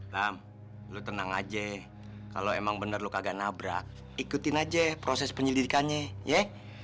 ram lo tenang aja kalau emang bener lo kagak nabrak ikutin aja proses penyelidikannya ye